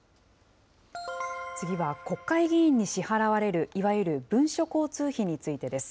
次は国会議員に支払われる、いわゆる文書交通費についてです。